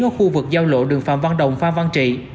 ở khu vực giao lộ đường phạm văn đồng phan văn trị